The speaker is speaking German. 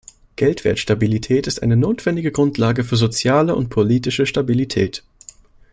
Geldwertstabilität ist eine notwendige Grundlage für soziale und politische Stabilität.